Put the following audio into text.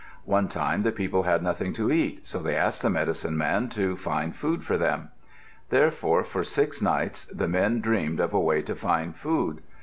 One time the people had nothing to eat, so they asked the medicine man to find food for them. Therefore for six nights the men dreamed of a way to find food.